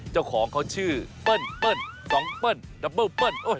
เจ้าของเขาชื่อเปิ้ลเปิ้ลสองเปิ้ลดับเบิ้ลเปิ้ล